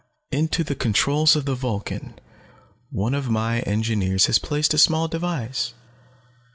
"Into the controls of the Vulcan one of my engineers has placed a small device.